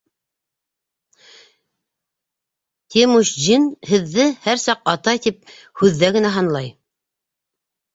Темучжин һеҙҙе, һәр саҡ атай, тип һүҙҙә генә һанлай.